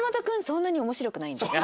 そんなに面白くないんです。